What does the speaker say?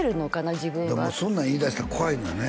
自分はそんなん言いだしたら怖いのよね